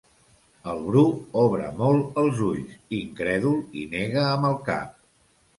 El Bru obre molt els ulls, incrèdul i nega amb el cap.